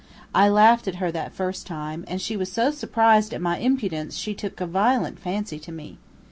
I laughed at her that first time, and she was so surprised at my impudence she took a violent fancy to me.